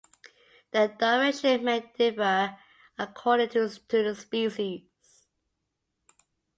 The direction may differ according to the species.